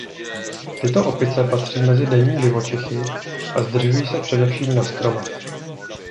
Tyto opice patří mezi denní živočichy a zdržují se především na stromech.